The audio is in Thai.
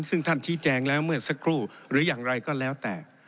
ซึ่งท่านชี้แจงแล้วเมื่อสักครู่หรืออย่างไรก็แล้วแต่